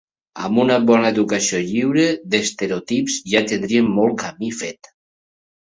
Amb una bona educació, lliure d’estereotips, ja tindríem molt camí fet.